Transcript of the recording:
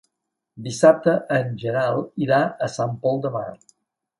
Dissabte en Gerai irà a Sant Pol de Mar.